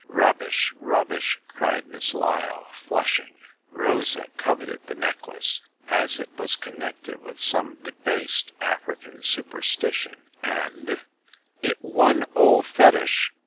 Rubbish, rubbish !" cried Miss Lyle, flush ing. Rosa coveted the necklace, as it was connected with some debased African supersti tion, and "It one ole fetish